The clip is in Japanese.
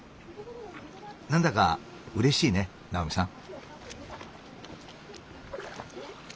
何だかうれしいね直見さん。